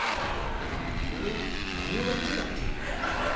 こうこうやってたっけ？